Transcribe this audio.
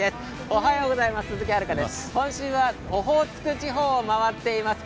おはようございます。